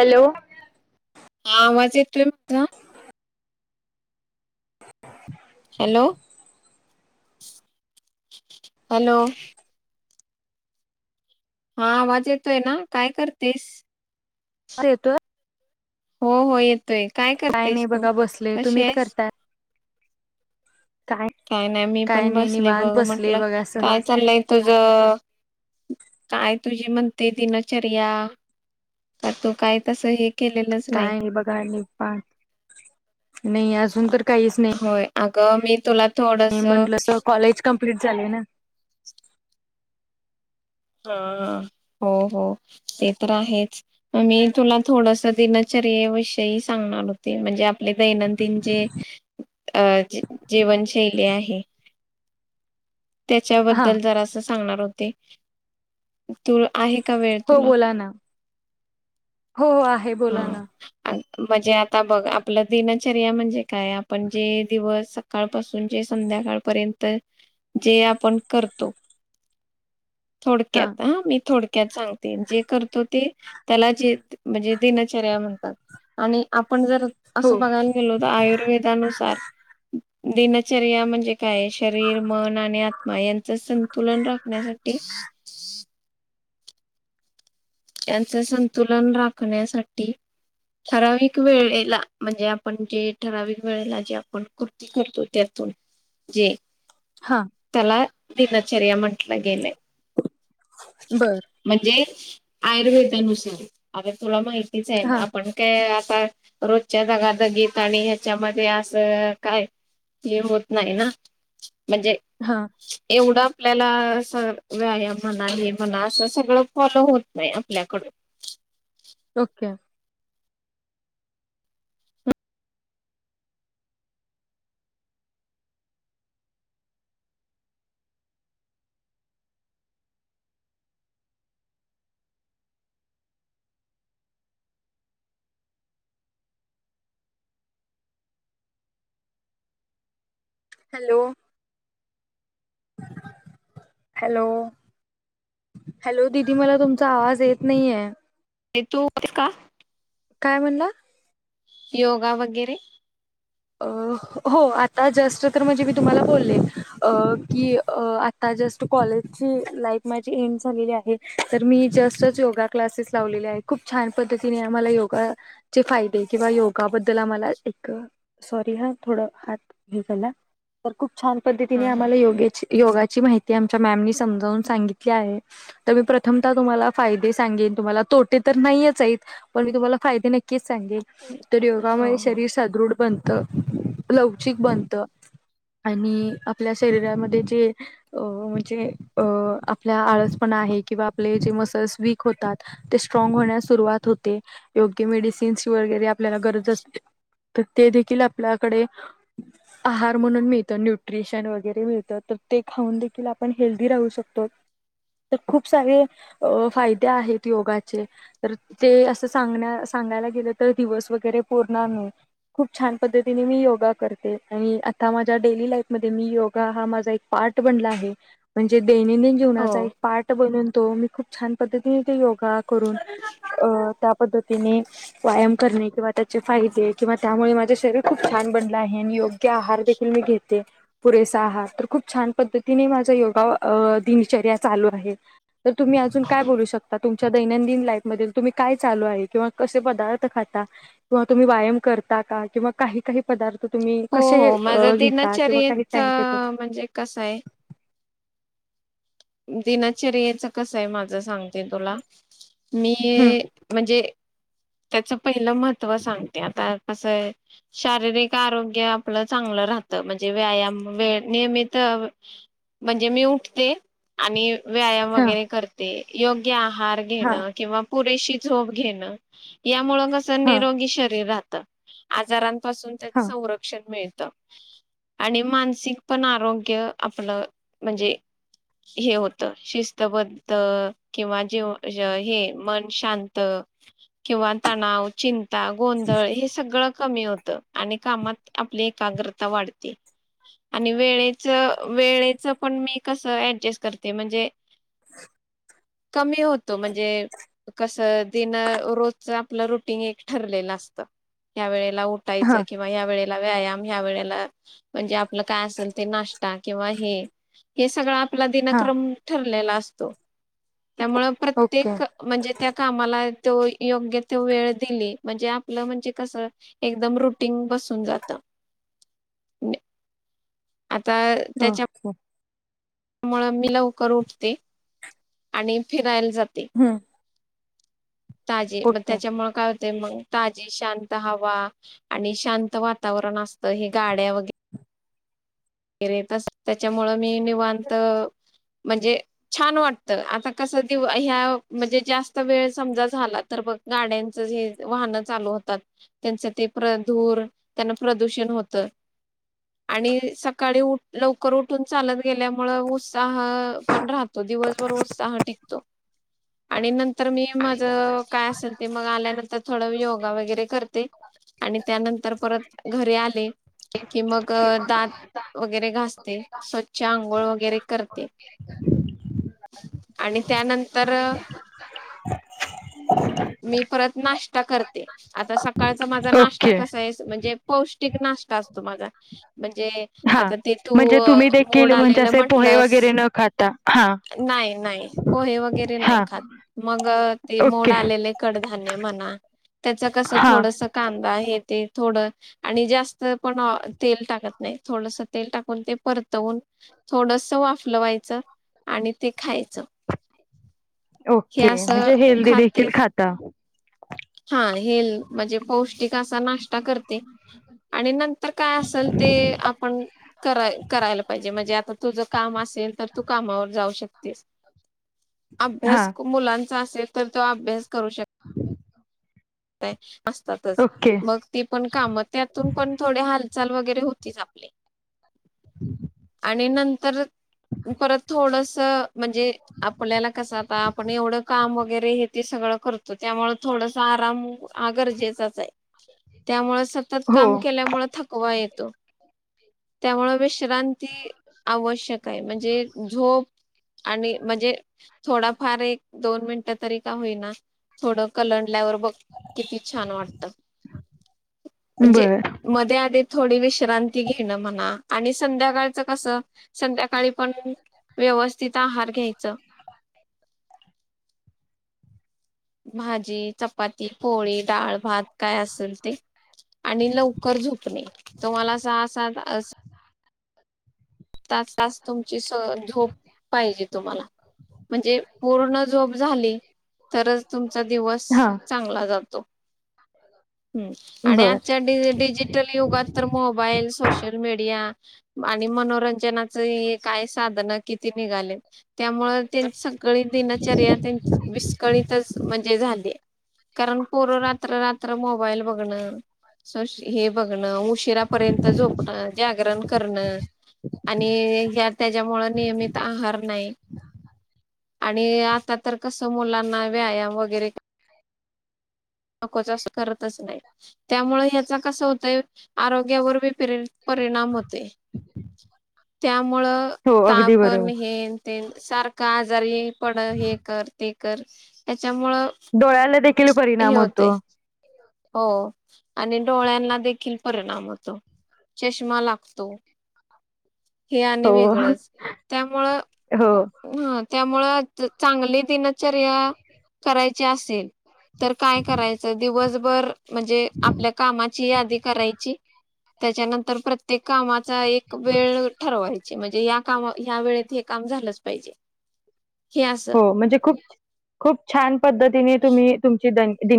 Hello हा आवाज येतोय माझा हॅलो हॅलो हा आवाज येतोय ना काय करतेस. हा येतोय. हो हो येतोय काय नाही करतेयस तू? बघा बसले कशी तुम्ही काय आहेस. करताय काय नाय, मी काय पण नाही बसले निवांत बघ बसले म्हटलं बघा काय सहज चाललंय तुझं काय तुझी म्हणते दिनचर्या, का तू काय तसं हे केलेलंच नाही काय नी बघा निपान, नाही अजून तर काहीच होय, अगं मी तुला नाही थोडस म्हंटलं सो कॉलेज कमप्लीट झालय ना. हं हं हो हो ते तर आहेच. मग मी तुला थोडसं दिनच विषयी सांगणार होते म्हणजे आपले दैनंदिन जे अ जी जीवनशैली आहे. हा त्याच्याबद्दल जरासं सांगणार होते. तू, आहे का वेळ हो तुला? बोला ना हो, आहे बोला हां. ना अ म्हणजे आता बघ आपलं दिनचर्या म्हणजे काय आपण जे दिवस सकाळपासून जे संध्या संध्याकाळपर्यंत जे आपण करतो. थोडक्यात, हा मी थोडं क्यात सांगते, जे करतो ते त्याला जे म्हणजे दिनचर्या म्हणतात. आणि आप आपण जर हो असं बघायला गेलो तर आयुर्वेदानुसार दिनचर्या म्हणजे काय शरीर, मन, आणि आत्मा यांचं संतुलन राखण्यासाठी [inaudible] त्यांच संतुलन राखण्यासाठी ठराविक वेळेला म्हणजे आपण जे ठराविक वेळेला जे आपण कृती करतो त्यात जे हा त्याला दिनचर्या म्हटलं गेलंय. बर म्हणजे आयुर्वेदानुसार आता तूला माहिती माहितीच आहे हा आपण काय रोजच्या दगादगीत आणि ह्याच्यामध्ये असं काय हे होत नाही ना, म्हणजे हा एवढं आपल्याला असं व्यायाम म्हणा हे म्हणा असं सगळं फॉलो होत नाही आपल्याकड ओके हॅलो, हॅलो हॅलो, दिदी मला तुमचा आवाज येत नाहीये. नी, तू करतीस का? काय म्हणला? योगा वगैरे अ, हो आता जस्ट तर म्हणजे मी तुम्हाला बोलले अ की अ आता जस्ट कॉलेज ची लाईफ माझी एंड झालेली आहे, तर मी जस्टच योगा क्लासेस लावलेले आहे. खूप छान पद्धतीने आम्हाला योगा चे फायदे किंवा योगाबद्दल आम्हाला एक सॉरी हा थोडं हात हे झाला तर खूप छान हा पद्धतीने आम्हाला हा योग्याची योगाची माहिती आमच्या मॅमनी समजावून सांगितली आहे. तर मी प्रथमता तुम्हाला फायदे सांगित तुम्हाला तोटे तर नाहीयच आहेत. पण मी तुम्हाला फायदे नक्कीच सांगेल तर योगामुळे हो हो शरीर सदृढ बनत, लवचिक बनत. आणि आपल्या शरीरामध्ये जे अ म्हणजे अ आपल्या आळसपण आहे किंवा आपले जे मसल्स वीक होतात ते स्ट्रॉंग होण्यास सुरवात होते. योग्य मेडिसिन सिन वगैरे आपल्याला गरज असते, त ते देखील आपल्याकडे आहार म्हणून मिळतं न्यूट्रिशन वगैरे मिळतं. तर ते खाऊन देखील आपण हेल्दी राहू शकतो. तर खूप सारे अ फायदे आहेत योगाचे. तर ते असं सांगण्या सांगायला गेलं त दिवस वगैरे पुरणार नव खूप छान पद्धतीने मी योगा करते. आणि आता माझ्या डेली लाईफ मध्ये मी योगा हा माझा एक पार्ट ब बनला आहे म्हणजे दैनंदिन हो जीवनाचा एक पार्ट बनून तो मी खूप छान पद्धतीने ते योग का करून अ त्या पद्धतीने व्यायाम करणे. किंवा त्याचे फायदे किंवा त्यामुळे शरीर खुप छान बनलं आहे. नि योग्य आहार देखील मी घेते. पुरेसा आहार, तर खूप छान पद्ती तिनी माझं योगा अं दिनचर्या चालू आहे तर तुम्ही अजून काय बोलू शकता? तुमच्या दैनंदिन- लाईफ मध्ये तुम्ही काय चालू आहे? किंवा कसे पदार्थ खाता? किंवा तुम्ही व्यायाम करता का? किंवा काही काही पदार्थ- तर तुम्ही हो कसे हो माझं घेता? किंवा काही दिनचर्येच टाईम टेबल? म्हणजे कसं दिनचर्येचं कसाय माझं? सांगते तुला मी... हम्म म्हणजे त्याच पहिलं महत्व सांगते. आता कसाय शारीरिक आरोग्य आपलं चांग- राहत म्हणजे व्यायाम वे नियमित म्हणजे मी उठते. आणि व्यायाम हा वगैरे करते. योग्य आहार हा घेणं किंवा पुरेशी झोप घेणं. यामुळे कसं‌ हा निरोगी शरीर राहतं. आजारात पासून त्याच हा संरक्षण मिळेल. आणि मानसिक पण आरोग्य आपलं म्हणजे हे होत शिस्तबद्ध किंवा जे हे मन शांत. किंवा तणाव, चिंता, गोंधळ हे सगळं- कमी होत आणि कामात आपली एकाग्रता वाढते. आणि वेळेच वेळेच पण मी कस ऍडजस्ट करते म्हणजे- कमी होतो म्हणजे- कसं दिन रोज आपलं रुटीन एक ठरलेलं असतं. त्यावेळे ला उठायचं हा किंवा या वेळेत- व्यायाम ह्या वेळेला म्हणजे आपलं काय असेल ते नाष्ट्ता किंवा हे. हे सगळं आपला हा दिनक्रम ठरलेला असतो. त्यामुळं ओके प्रत्येक म्हणजे त्या कामाला- तो योग्य तो वेळ दिली म्हणजे आपलं म्हणजे कसं एकदम रुटीन बसून जातं. आता त्याच्या- ओके मुळ मी लवकर उठते आणि फिरायला जाते. हम्म ताजे मग ओके त्याच्यामुळे काय- ते मग ताजी शांत हवा आणि शांत वातावरण असतं. हे गाड्या वगैरे- रेत त्याच्यामुळं मी निवांत- म्हणजे छान वाटत आता कस दि ह्या म्हणजे जास्त वेळ समजा झाला तर बघ गाड्यांचं हे वाहन चालू होतात त्यांचं ते धूर प्रदूषण आणि सकाळी उ लवकर उठून चालत गेल्यामुळे उत्साह पण राहत तो दिवसभर उत्साह टिकतो आणि न- तर मी माझं काय असेल ते मग आल्यानंतर थोडं योगा वगैरे करते. आणि त्यानंतर परत घरी आले कि मग दात- वगैरे घासते, स्वच्छ आंघोळ वगैरे करते. आणि त्या तर मी परत नाश्ता करते. आता सकाळचा माझा नाश्ता ओके कसाय? म्हणजे पौष्ट- ष्टीक नाष्टा असतो माझा म्हणजे हा आता ते तू म्हणजे तुम्ही मोड देखील म्हणजे आलेलं असे पोहे म्हंटलंस वगैरे न खाता हा नाही, नाही! पोहे वगैरे हा नाही खात मग.. ते मोड ओके आलेले कडधान्य म्हणा त्याचं कसं हा थोडस कांदा हे तेन थोड... आणि जास्त पण तेल टाकत नाही, थोडसं तेल टाकून ते परतवून थोडसं वाफलवायचं, आणि ते खायचं हे ओके म्हणजे असं हेल्दी खाते. देखील खाता हा, हे आणि नंतर काय असेल ते आपण- कराय करायला पाहिजे म्हणजे आता तुझं काम असेल तर तू कामावर जाऊ शकतेस. हा अभ्यास मुलांचा असेल तर तो अभ्यास करू शक- असतातच ओके मगं ती पण काम त्यातून पण थोडे हाल चाल वगैरे होतीच आपली [unintelligible] आणि नंतर परत थोडस म्हणजे आपल्याला कसं आता आपण एवढं काम वगैरे हे ते सगळं करतो त्यामुळे थोडस आराम ह गरजेचाच आहे त्यामुळे सतत हो काम केल्यामुळे थकवा येत त्यामुळे विश्रांती आवश्यक आहे म्हणजे झोप आणि म्हणजे थोडा फार एक दोन मिनिटं तरी का होईना थोडं कलंडल्यावर बघ किती छान वाटत म्हणजे बर मध्ये, आधी थोडी विश्रांती घेण म्हणा संध्याकाळच कस संध्याकाळी पण व्यवस्थित आहार घ्यायचं [unintelligible] भाजी, चपाती, पोळी, डाळ, भात काय असेल ते आणि लवकर झोपणे तुम्हाला अस तास तास तुमची स झोप पाहिजे तुम्हाला म्हणजे पूर्ण झोप झाली, तरच तुमचा दिवस हा चांगला जातो ह आणि बर आजच्या ड डिजिटल युगात तर मोबाईल सोशल मीडिया आणि मनोरंजनाच काय साधन किती निघाल्यात त्यामुळे त्यां सगळी दिनचर्या त्यां विस्कळीतच म्हणजे झालीय कारण पोर रात्र रात्र मोबाईल बघण सोश हे बघण उशरापर्यंत झोपणं जागरण करणं आणि त्याच्यामुळे नियमित आहार नाही आणि आता तर कसं मुलांना व्यायाम वगैरे नकोच असतो करतच नाही त्यामुळे याचा कस होतय आरोग्यावर बी पिरि परिणाम होतंय त्यामुळ हो ताप अगदी पण बरोबर हे ते सारख आजार पड हे कर ते कर त्याच्यामुळं केल हे परिणाम होतो, होतंय हो आणि डोळ्यांना देखील परिणाम होतो चष्मा लागतो, हे आणि हो वेगळंच, त्यामुळं हो ह त्यामुळं चांगली दिनचर्या करायची असेल तर काय करायचं दिवसभर म्हणजे आपल्या कामाची यादी करायची त्याच्यानंतर प्रत्येक कामाचा एक वेळ वय म्हणजे या कामात या वेळेत हे काम झालंच पाहिजे हे असं हो म्हणजे खूप खूप छान पद्धतीने तुम्ही तुमची दै दि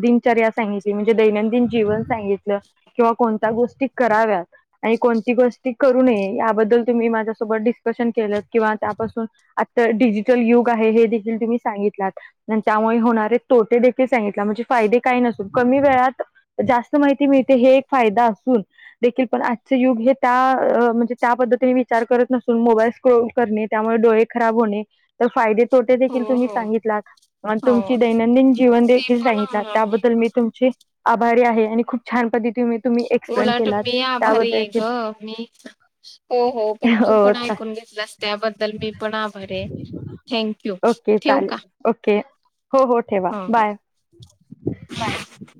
दिनचर्या सांगितली म्हणजे दैनंदिन जीवन सांगितलं किंवा कोणत्या गोष्टी कराव्यात आणि कोणती गोष्टी करू नये याबद्दल तुम्ही माझ्यासोबत डिस्कशन केलं किंवा त्यापासून आ तर डिजिट डिजिटल युग आहे हे देखील तुम्ही सांगितलात त्यामुळे होणारे तोटे देखील सांगितलात म्हणजे फायदे काय नाही कमी वेळात जास्त माहिती मिळते हे एक फायदा असूनदेखील पण आजच युग हे त्या म्हणजे त्या पद्धतीने विचार करत नसून मोबाईल स्क्रल करणे त्यामुळे डोळे खराब होणे तर फायदे तोटे देखील हो तुम्ही हो सांगितलात आणि हो तुमची दैनंदिन जीवन ते देखील पण सांगितला त्याबद्दल मी तुमची आभारी आहे आणि खूप छान पद्धतीने तुम्ही एक्सप्लेन उलट केलात मी आभारी त्याबद्दल आहे ग मी हो हो पण तू पण ऐकून घेतल त्याबद्दल मी पण आभारी आहे थँंक यू ओके ठेव का चालेल ओके हो ठेवा हो हो बाय ब